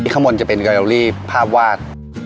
ข้างบนจะเป็นเกอโลลี่ภาพวาด